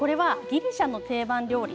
ギリシャの定番料理